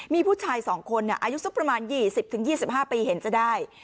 มีผู้ชาย๒คนอายุสักประมาณ๒๐๒๕ปีเห็นจะได้